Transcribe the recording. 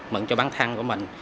mừng cho bán thăng của mình